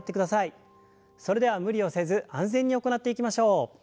それでは無理をせず安全に行っていきましょう。